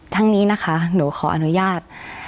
ทั้งนี้นะคะหนูขออนุญาต